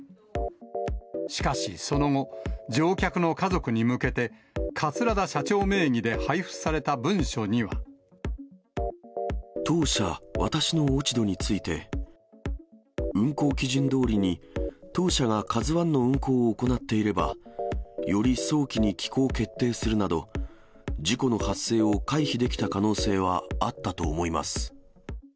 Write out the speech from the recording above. しかしその後、乗客の家族に向けて、桂田社長名義で配布された文書には。当社、私の落ち度について、運航基準どおりに当社がカズワンの運航を行っていれば、より早期に帰港決定するなど、事故の発生を回避できた可能性はあったと思います。